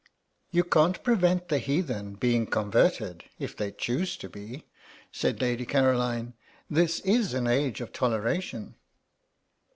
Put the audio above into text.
"You can't prevent the heathen being converted if they choose to be," said Lady Caroline; "this is an age of toleration."